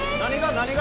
何が？